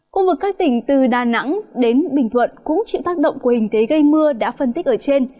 khu vực các tỉnh từ đà nẵng đến bình thuận cũng chịu tác động của hình thế gây mưa đã phân tích ở trên